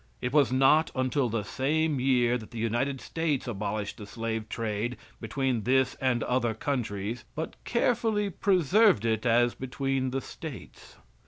It was not until the same year that the United States of America abolished the slave trade between this and other countries, but carefully preserved it as between the states.